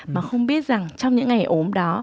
mà không biết rằng trong những ngày ốm đó